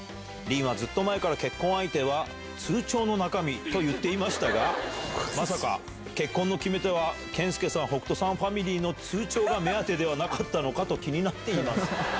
凛はずっと前から、結婚相手は通帳の中身と言っていましたが、まさか結婚の決め手は、健介さん、北斗さんファミリーの通帳が目当てではなかったのかと気になっています。